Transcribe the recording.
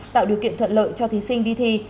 tạo điều kiện thuận lợi cho thí sinh đi thi